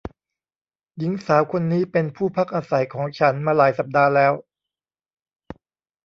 หญิงสาวคนนี้เป็นผู้พักอาศัยของฉันมาหลายสัปดาห์แล้ว